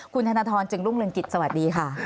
คุณธนทรจึงรุ่งเรืองกิจสวัสดีค่ะ